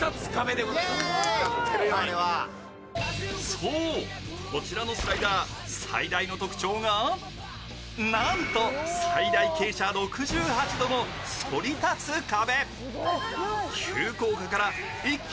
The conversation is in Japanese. そう、こちらのスライダー最大の特徴がなんと、最大傾斜６８度のそり立つ壁。